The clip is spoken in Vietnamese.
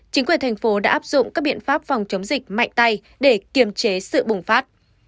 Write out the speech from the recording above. chính quyền thành phố đã áp dụng các biện pháp phòng chống dịch mạnh tay để kiềm chế sự bùng phát